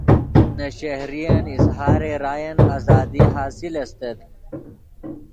نے شہرین اظہارِ راین آزادی حاصل استت